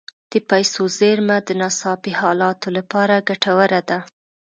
د پیسو زیرمه د ناڅاپي حالاتو لپاره ګټوره ده.